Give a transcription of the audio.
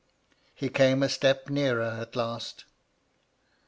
He came a step nearer at last.